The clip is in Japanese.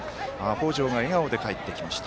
北條が笑顔で帰ってきました。